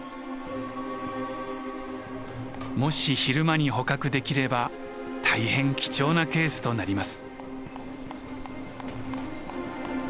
もし昼間に捕獲できれば大変貴重なケースとなります。